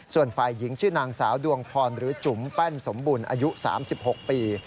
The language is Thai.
ส่วนฝ่ายหญิงชื่อนางสาวดวงพรหรือจุ๋มแป้นสมบุญอายุ๓๖ปี